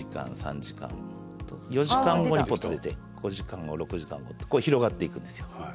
４時間後にポッと出て５時間後６時間後とこう広がっていくんですよ。